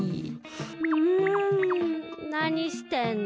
うんなにしてんの？